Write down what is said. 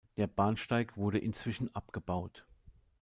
Der Bahnsteig wurde inzwischen abgebaut.